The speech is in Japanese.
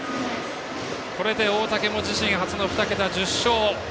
これで大竹も自身初の２桁１０勝。